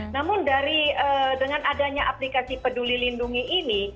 namun dengan adanya aplikasi peduli lindungi ini